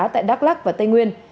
tại đắk lắc và tây nguyên